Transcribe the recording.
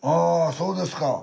そうですか。